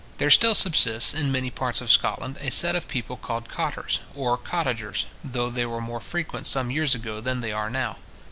There still subsists, in many parts of Scotland, a set of people called cottars or cottagers, though they were more frequent some years ago than they are now.